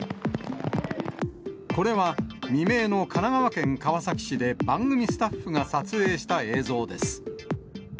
これは未明の神奈川県川崎市で、番組スタッフが撮影した映像です。